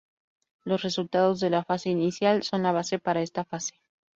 Los resultados de la fase inicial son la base para esta fase.